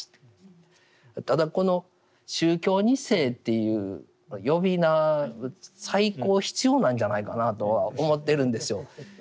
ただこの「宗教２世」っていう呼び名再考必要なんじゃないかなとは思ってるんですよ。